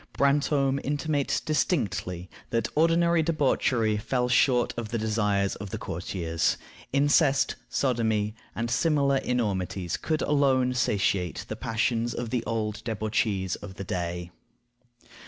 Brantome intimates distinctly that ordinary debauchery fell short of the desires of the courtiers; incest, sodomy, and similar enormities could alone satiate the passions of the old debauchees of the day.